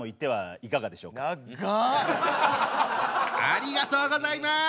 ありがとうございます。